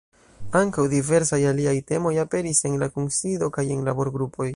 Ankaŭ diversaj aliaj temoj aperis en la kunsido kaj en laborgrupoj.